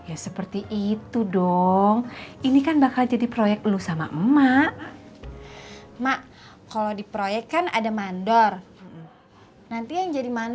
oh seperti itu malah nelfon